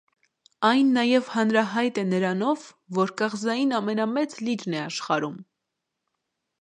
Այն նաև հանրահայտ է նրանով, որ կղզային ամենամեծ լիճն է աշխարհում։